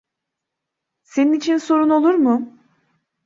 Senin için sorun olur mu?